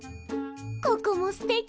ここもすてき！